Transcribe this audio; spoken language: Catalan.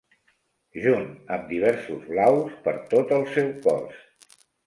Junt amb diversos blaus per tot el seu cos.